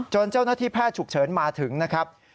เจ้าหน้าที่แพทย์ฉุกเฉินมาถึงนะครับ